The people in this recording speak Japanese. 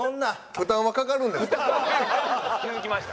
負担はかかるんですねでも。